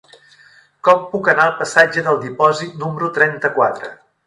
Com puc anar al passatge del Dipòsit número trenta-quatre?